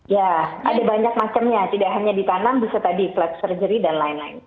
ya ada banyak macamnya tidak hanya ditanam bisa tadi flight surgery dan lain lain